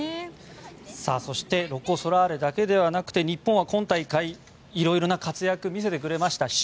そしてロコ・ソラーレだけではなくて日本は今大会色々な活躍を見せてくれました。